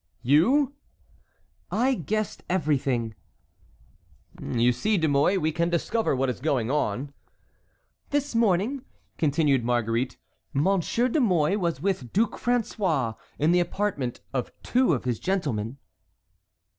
"You?" "I guessed everything." "You see, De Mouy, we can discover what is going on." "This morning," continued Marguerite, "Monsieur de Mouy was with Duc François in the apartment of two of his gentlemen."